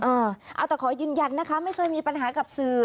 เอาแต่ขอยืนยันนะคะไม่เคยมีปัญหากับสื่อ